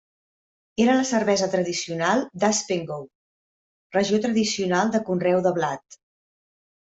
Era la cervesa tradicional d'Haspengouw, regió tradicional de conreu de blat.